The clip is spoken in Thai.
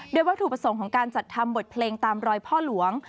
โดยวัตถุประสงค์ของการจัดทำบทเพลงตามรอยพ่อหลวง